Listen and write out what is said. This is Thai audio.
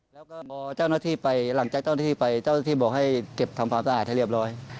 แล้วก็พอเจ้าหน้าที่ไปหลังจากเจ้าหน้าที่ไปเจ้าหน้าที่บอกให้เก็บทำความสะอาดให้เรียบร้อย